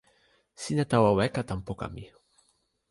sina tawa weka tan poka mi.